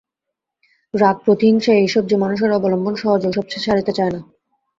রাগ, প্রতিহিংসা এইসব যে মানুষের অবলম্বন, সহজে ওসব সে ছাড়িতে চায় না।